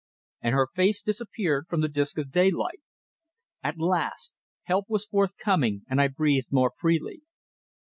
And her face disappeared from the disc of daylight. At last! Help was forthcoming, and I breathed more freely.